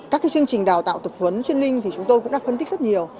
các chương trình đào tạo tập huấn chuyên ninh thì chúng tôi cũng đã phân tích rất nhiều